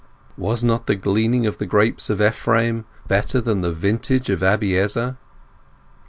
Was not the gleaning of the grapes of Ephraim better than the vintage of Abi ezer?